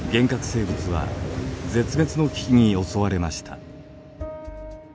生物は絶滅の危機に襲われました。